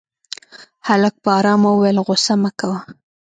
هلک په آرامه وويل غوسه مه کوه.